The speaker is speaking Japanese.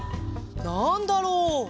「なんだろう」